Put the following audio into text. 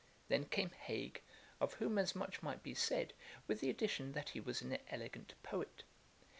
Then came Hague, of whom as much might be said, with the addition that he was an elegant poet.